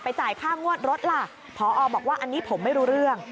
จ่ายค่างวดรถล่ะพอบอกว่าอันนี้ผมไม่รู้เรื่อง